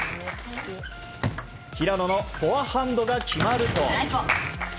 平野のフォアハンドが決まると。